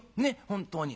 本当に。